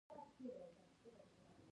ښرنې هوا ګرمه ده؟